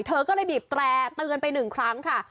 เธอก็เลยบีบแตร่เตือนไปหนึ่งครั้งค่ะ